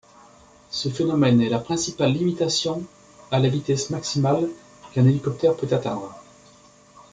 Ce phénomène est la principale limitation à la vitesse maximale qu'un hélicoptère peut atteindre.